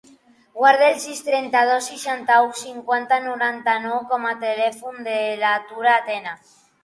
Guarda el sis, trenta-dos, seixanta-u, cinquanta, noranta-nou com a telèfon de la Tura Tena.